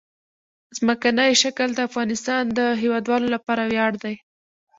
ځمکنی شکل د افغانستان د هیوادوالو لپاره ویاړ دی.